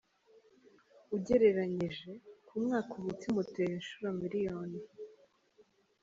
Ugereranyije ku mwaka umutima utera inshuro miliyoni .